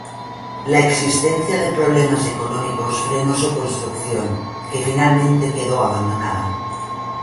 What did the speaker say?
La existencia de problemas económicos frenó su construcción que finalmente quedó abandonada.